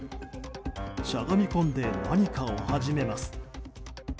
しゃがみこんで何かを始めます。